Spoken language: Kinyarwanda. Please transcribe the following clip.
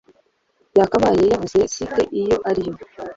yakabaye yavuze site iyo ari yo